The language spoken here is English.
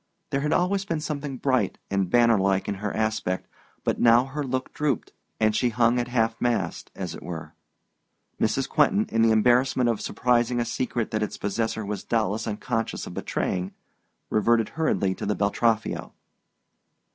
There had always been something bright and bannerlike in her aspect, but now her look drooped, and she hung at half mast, as it were. Mrs. Quentin, in the embarrassment of surprising a secret that its possessor was doubtless unconscious of betraying, reverted hurriedly to the Beltraffio.